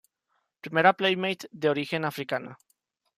Primera playmate de origen africano.